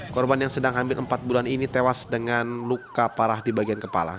korban yang sedang hamil empat bulan ini tewas dengan luka parah di bagian kepala